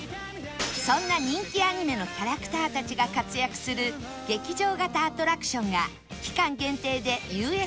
そんな人気アニメのキャラクターたちが活躍する劇場型アトラクションが期間限定で ＵＳＪ に登場